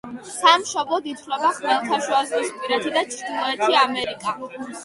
სამშობლოდ ითვლება ხმელთაშუაზღვისპირეთი და ჩრდილოეთი ამერიკა.